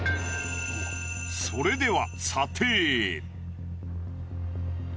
それでは。